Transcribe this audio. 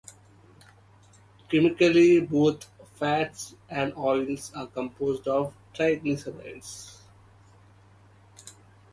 Chemically, both fats and oils are composed of triglycerides.